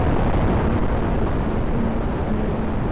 لا په غاړه د لوټونو امېلونه